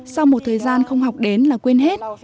sau một thời gian không học đến là quên hết